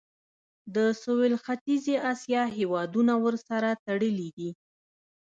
د سویل ختیځې اسیا هیوادونه ورسره تړلي دي.